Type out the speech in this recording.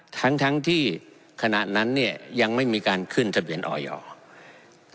ทั้งที่ขณะนั้นยังไม่มีการขึ้นทะเบียนออยอร์